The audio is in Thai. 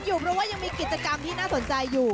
ยังมีกิจกรรมที่น่าสนใจอยู่